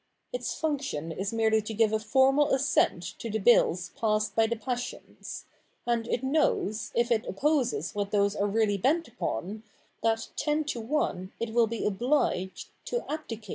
Its function is merely to give a formal assent to the Bills passed by the passions ; and it knows, if it opposes what those are really bent upon, that ten to one it will be obliged to abdicate.'